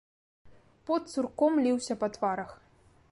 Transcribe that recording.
Пот цурком ліўся па тварах.